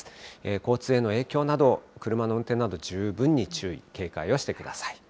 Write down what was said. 交通への影響など、車の運転など十分に注意、警戒をしてください。